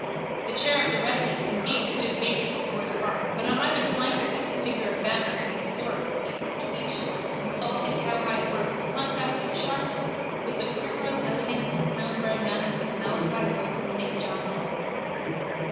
The chair of the resident indeed stood vacant before the hearth but on either flank of it the figure of Bannon in explorer's kit of tweed shorts and salted cowhide brogues contrasted sharply with the primrose elegance and townbred manners of Malachi Roland St John Mulligan.